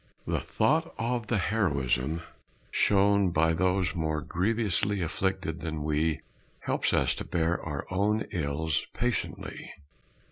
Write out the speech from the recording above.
The thought of the heroism shown by those more grievously afflicted than we, helps us to bear our own ills patiently.